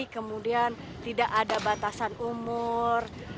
kemudian tidak ada batasan umur